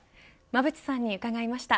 馬渕さんに伺いました。